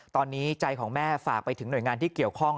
ตอนนี้ใจของแม่ฝากไปถึงหน่วยงานที่เกี่ยวข้อง